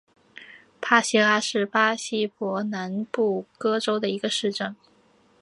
帕西拉是巴西伯南布哥州的一个市镇。